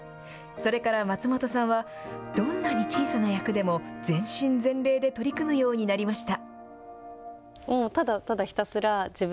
それから松本さんは、どんなに小さな役でも、全身全霊で取り組むようになりました。